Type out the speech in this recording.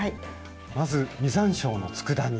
まず実山椒のつくだ煮。